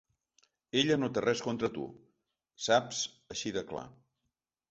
Ella no té res contra tu, saps així de clar.